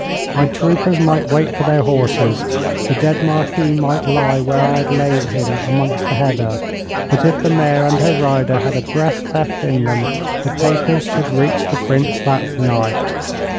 My troopers might wait for their horses, the dead Marquis might lie where I had laid him amongst the heather, but if the mare and her rider had a breath left in them the papers should reach the Prince that night.